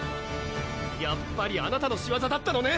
やっぱりあなたの仕業だったのね！